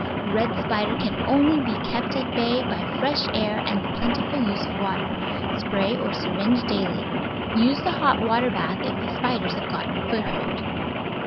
Red Spider can only be kept at bay by fresh air and the plentiful use of water; spray or syringe daily. Use the hot water bath if the spiders have gotten a foothold.